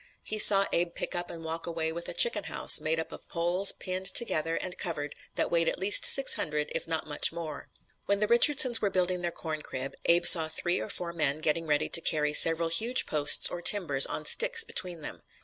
He saw Abe pick up and walk away with "a chicken house, made up of poles pinned together, and covered, that weighed at least six hundred if not much more." When the Richardsons were building their corn crib, Abe saw three or four men getting ready to carry several huge posts or timbers on "sticks" between them.